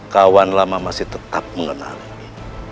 kawan lama masih tetap mengenaliku